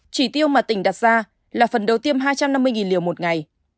chỉ tiêu mà tỉnh đặt ra là phần đầu tiêm hai trăm năm mươi liều một ngày